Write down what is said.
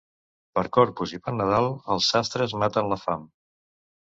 Per Corpus i per Nadal els sastres maten la fam.